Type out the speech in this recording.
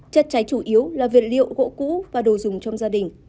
chất cháy chủ yếu là vật liệu gỗ cũ và đồ dùng trong gia đình